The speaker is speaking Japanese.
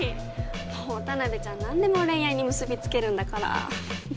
もう田辺ちゃん何でも恋愛に結び付けるんだから。